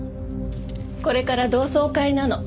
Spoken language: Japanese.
これから同窓会なの。